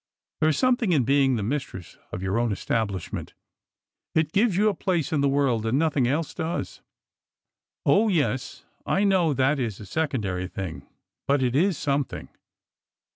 There is something in being the mistress of your own establishment. It gives you a place in the world that nothing else does. Oh, yes; I know that is a secondary thing, — but it is something."